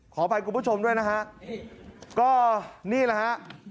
ขออภัยคุณผู้ชมด้วยนะฮะก็นี่แหละฮะ